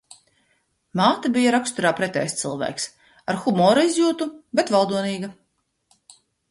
Māte bija raksturā pretējs cilvēks - ar humora izjūtu, bet valdonīga.